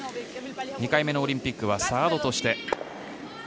２回目のオリンピックはサードとして。